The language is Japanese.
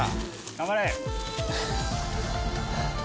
「頑張れ！」